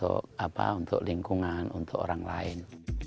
untuk lingkungan untuk orang lain